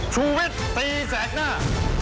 ชูวิทย์ตีแสกหน้า